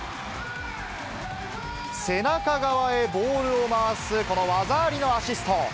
背中側へボールを回す、この技ありのアシスト。